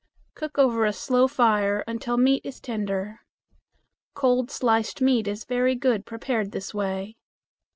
Cook over a slow fire until meat is tender. Cold sliced meat is very good prepared this way.